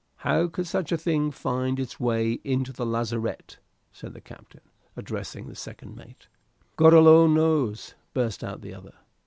"How could such a thing find its way into the lazarette?" said the captain, addressing the second mate. "God alone knows!" burst out the other.